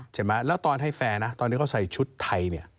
ใช่ไหมแล้วตอนให้แฟร์นะตอนนี้เขาใส่ชุดไทยเนี่ย